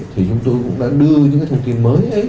thì chúng tôi cũng đã đưa những cái thông tin mới